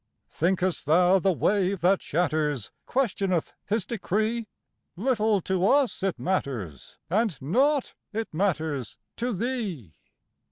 ThinkÆst thou the wave that shatters questioneth His decree? Little to us it matters, and naught it matters to thee.